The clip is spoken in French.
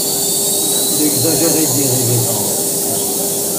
Il exagérait des révérences.